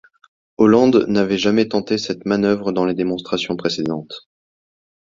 Holland n'avait jamais tenté cette manœuvre dans les démonstrations précédentes.